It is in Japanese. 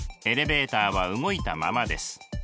エレベーターは動いたままです。